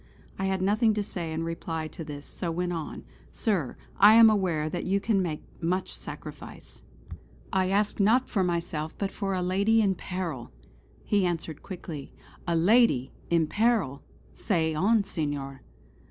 I had nothing to say in reply to this, so went on: "Sir, I am aware that you can make much sacrifice: I ask, not for myself, but for a lady in peril!" He answered quickly: "A lady! in peril! Say on Senor!"